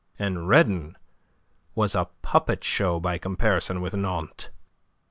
And Redon was a puppet show by comparison with Nantes.